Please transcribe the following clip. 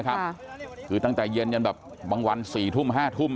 คือตั้งแต่เย็นบางวัน๔๕ทุ่ม